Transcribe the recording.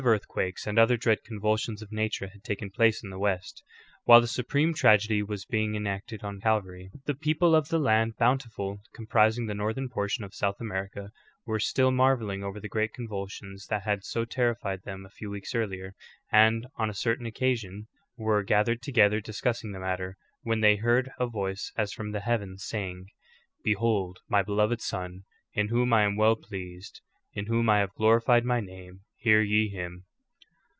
earthquakes and other dread convulsions of nature had taken place in the west, while the supreme tragedy was being en acted on Calvary. The people of the land Bountiful, com prising the northern portion of South America, were still marveling over the great convulsions that had so terrified them a few weeks earlier, and, on a certain occasion, were gathered together discussing the matter, when they heard a voice as from the heavens saying : ''Behold my beloved Son, in whom I am well pleased, in whom I have glorified my name ; hear ye him."